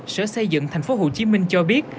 sở xây dựng thành phố hồ chí minh cho biết